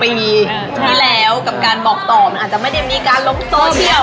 มันอาจจะไม่ได้มีการลงโซเชียล